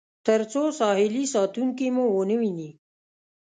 تر څو ساحلي ساتونکي مو ونه وویني.